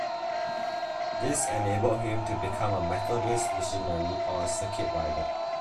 This enabled him to become a Methodist missionary or circuit rider.